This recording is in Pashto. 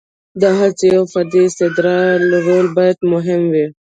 د هڅو او فردي استعداد رول باید مهم وي.